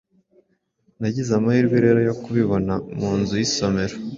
Nagize amahirwe rero yo kukibona mu nzu y’isomero